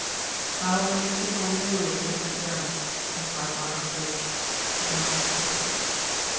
"How many people know of the disappearance?" enquired Malcolm Sage, ignoring the question.